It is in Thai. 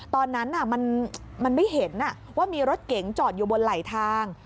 ตอนนั้นมันไม่เห็นว่ามีรถเก๋งจอดอยู่บนไหลทาง